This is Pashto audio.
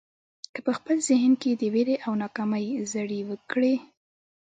که په خپل ذهن کې د وېرې او ناکامۍ زړي وکرئ.